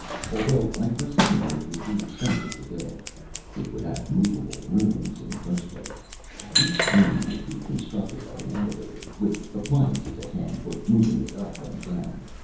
"Although I presume it would be expensive to build. It would have movable rooms, in the first place. Each room would be constructed like an elevator, with appliances at hand for moving it up and down.